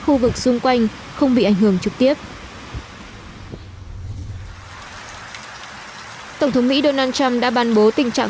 khu vực xung quanh không bị ảnh hưởng trực tiếp tổng thống mỹ donald trump đã ban bố tình trạng